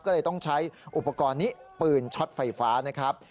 ก็เลยต้องใช้อุปกรณ์นี้ปืนช็อตไฟฟ้านะครับ